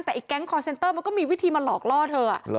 แต่ไอแก๊งคอร์เซ็นเตอร์มันก็มีวิธีมาหลอกล่อเธอ